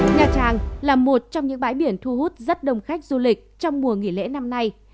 nhà trang là một trong những bãi biển thu hút rất đông khách du lịch trong mùa nghỉ lễ năm nay